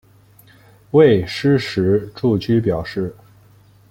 未施实住居表示。